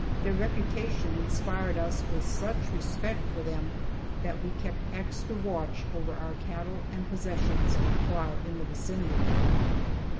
Their reputation inspired us with such respect for them that we kept extra watch over our cattle and possessions while in the vicinity.